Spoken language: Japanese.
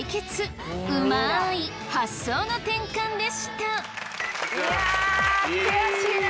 うまい発想の転換でした！